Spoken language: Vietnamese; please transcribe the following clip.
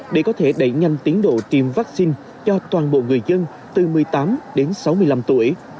để có thể đẩy nhanh tiến độ tiêm vaccine cho toàn bộ người dân từ một mươi tám đến sáu mươi năm tuổi